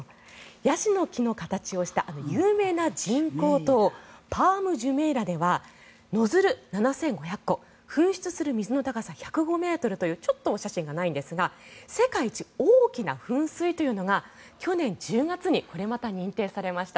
ヤシの木の形をした有名な人工島パーム・ジュメイラではノズル７５００個噴出する水の高さ１０５ｍというちょっとお写真がないんですが世界一大きな噴水というのが去年１０月にこれまた認定されました。